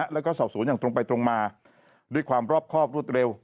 แล้วก็สอบสวนอย่างตรงไปตรงมาด้วยความรอบครอบรวดเร็ว